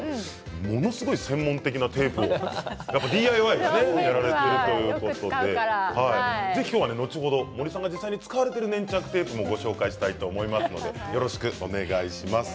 ものすごく専門的なテープをねＤＩＹをやられているからぜひ今日は後ほど森さんが実際に使われている粘着テープをご紹介いただきたいと思いますのでよろしくお願いします。